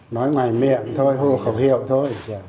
nói ngoài miệng thôi hô khẩu hiệu thôi